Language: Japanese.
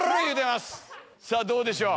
さぁどうでしょう？